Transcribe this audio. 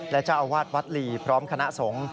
และเจ้าอาวาสวัดลีพร้อมคณะสงฆ์